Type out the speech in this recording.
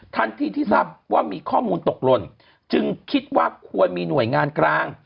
ทันทีที่ทราบว่ามีข้อมูลตกหล่นจึงคิดว่าควรมีหน่วยงานกลาง